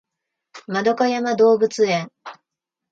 円山動物園